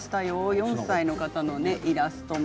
４歳の方のイラストも。